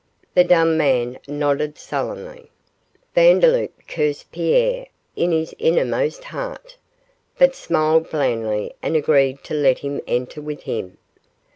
The dumb man nodded sullenly. Vandeloup cursed Pierre in his innermost heart, but smiled blandly and agreed to let him enter with him.